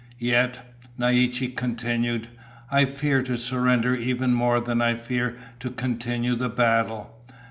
"Yet," Naiche continued, "I fear to surrender even more than I fear to continue the battle.